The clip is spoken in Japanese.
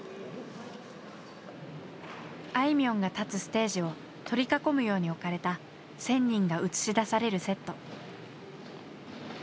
あいみょんが立つステージを取り囲むように置かれた１，０００人が映し出されるセット。